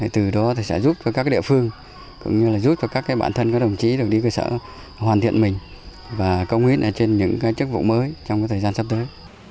từ đó sẽ giúp cho các địa phương cũng như là giúp cho các bản thân các đồng chí được đi cơ sở hoàn thiện mình và công ước trên những chức vụ mới trong thời gian sắp tới